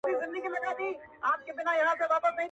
• فلسفې نغښتي دي.